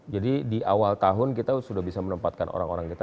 jadi di awal tahun kita sudah bisa menempatkan orang orang kita